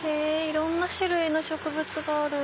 いろんな種類の植物がある。